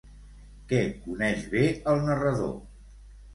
Què coneix bé el narrador?